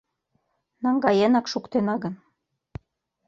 Наҥгаенак шуктена гын